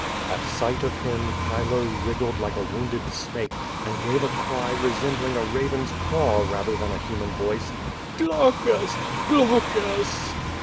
At sight of him Chilo wriggled like a wounded snake and gave a cry resembling a raven's caw rather than a human voice:* "Glaucus! Glaucus!"